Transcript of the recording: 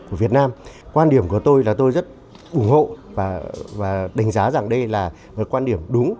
của việt nam quan điểm của tôi là tôi rất ủng hộ và đánh giá rằng đây là quan điểm đúng